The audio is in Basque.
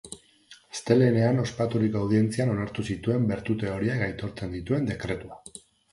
Astelehenean ospaturiko audientzian onartu zituen bertute horiek aitortzen dituen dekretua.